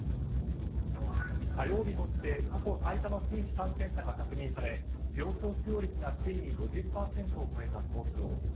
火曜日として過去最多の新規感染者が確認され病床使用率がついに５０％を超えた東京。